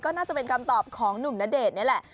ก็น่าจะเป็นคำตอบของหนุ่มณเดชน์นี่แหละ